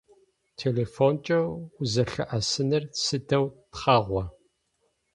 Телефонкӏэ узэлъыӏэсыныр сыдэу тхъагъо.